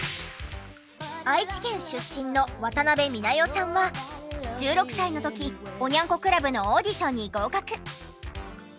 愛知県出身の渡辺美奈代さんは１６歳の時おニャン子クラブのオーディションに合格。